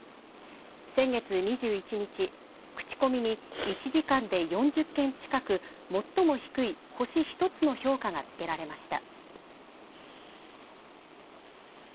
先月２１日クチコミに、１時間で４０件近く最も低い星１つの評価がつけられました。